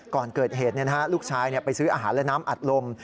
ก่อนเกิดเหตุลูกชายไปซื้ออาหารและน้ำอัดลม